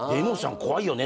怖いよね